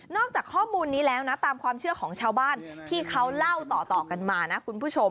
อกจากข้อมูลนี้แล้วนะตามความเชื่อของชาวบ้านที่เขาเล่าต่อกันมานะคุณผู้ชม